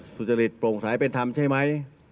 สุจริตโปร่งสายเป็นธรรมใช่ไหม